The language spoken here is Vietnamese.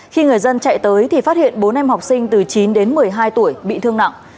khi người dân chạy tới thì phát hiện bốn em học sinh từ chín đến một mươi hai tuổi bị thương nặng